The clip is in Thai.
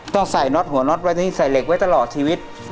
ต้องใส่น็อตหัวน็อตไว้ที่ใส่เหล็กไว้ตลอดชีวิต